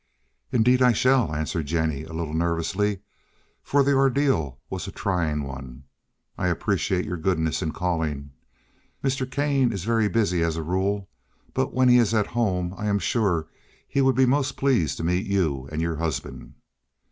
"Indeed I shall," answered Jennie, a little nervously, for the ordeal was a trying one. "I appreciate your goodness in calling. Mr. Kane is very busy as a rule, but when he is at home I am sure he would be most pleased to meet you and your husband."